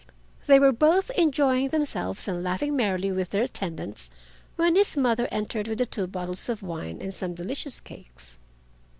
They were both enjoying themselves and laughing merrily with their attendants when his mother entered with the two bottles of wine and some delicious cakes.